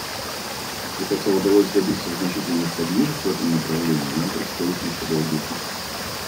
И хотя удалось добиться значительных подвижек в этом направлении, нам предстоит еще долгий путь.